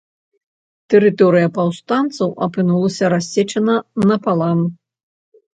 Тэрыторыя паўстанцаў апынулася рассечана напалам.